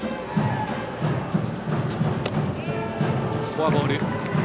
フォアボール。